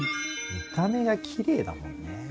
見た目がキレイだもんね。